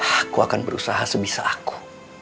aku akan berusaha sebisa aku